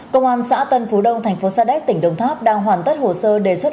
công an xã tân phú đông thành phố sa đéc tỉnh đồng tháp đang hoàn tất hồ sơ đề xuất